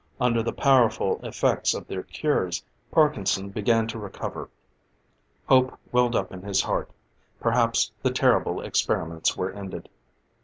Under the powerful effects of their cures, Parkinson began to recover. Hope welled up in his heart; perhaps the terrible experiments were ended.